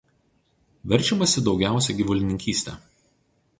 Verčiamasi daugiausia gyvulininkyste.